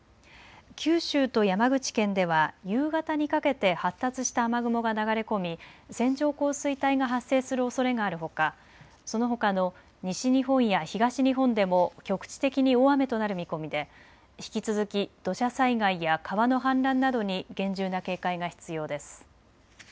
九州と山口県では夕方にかけて発達した雨雲が流れ込み線状降水帯が発生するおそれがあるほか、そのほかの西日本や東日本でも局地的に大雨となる見込みで引き続き土砂災害や川の氾濫などに厳重な警戒が必要です。